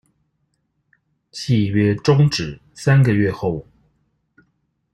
契約終止三個月後